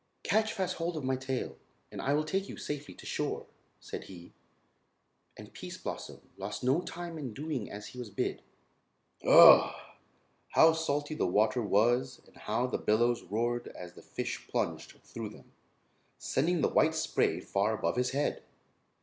"Catch fast hold of my tail, and I will take you safely to shore," said he; and Pease Blossom lost no time in doing as he was bid. Ugh! How salty the water was and how the billows roared as the fish plunged through them, sending the white spray far above his head!